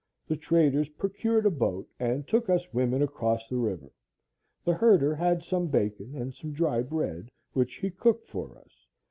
The traders procured a boat and took us women across the river. The herder had some bacon and some dry bread, which he cooked for us.